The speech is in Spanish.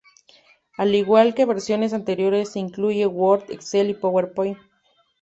Al igual que versiones anteriores, se incluye Word, Excel y PowerPoint.